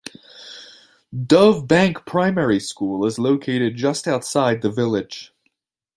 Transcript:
Dove Bank Primary School is located just outside the village.